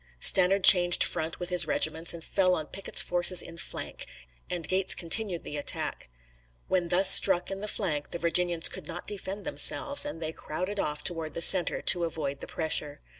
Stannard changed front with his regiments and fell on Pickett's forces in flank, and Gates continued the attack. When thus struck in the flank, the Virginians could not defend themselves, and they crowded off toward the center to avoid the pressure.